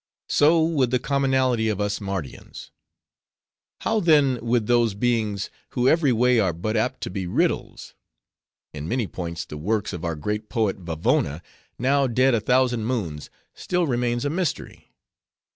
"So with the commonalty of us Mardians. How then with those beings who every way are but too apt to be riddles. In many points the works of our great poet Vavona, now dead a thousand moons, still remain a mystery.